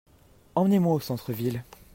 Emmenez-moi au centre-ville.